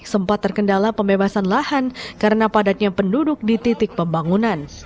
sempat terkendala pembebasan lahan karena padatnya penduduk di titik pembangunan